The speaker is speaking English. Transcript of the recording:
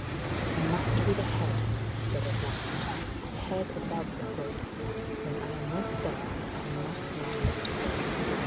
'It must be the head,' he said at last; 'the head above the hood; and when I am once there, I must not let go.'